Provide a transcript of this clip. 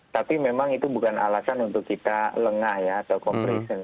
tapi memang itu bukan alasan untuk kita lengah ya atau compression